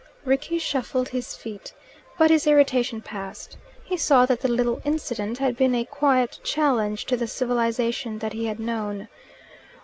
Rickie shuffled his feet. But his irritation passed. He saw that the little incident had been a quiet challenge to the civilization that he had known.